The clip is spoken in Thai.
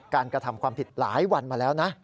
กระทำความผิดหลายวันมาแล้วนะ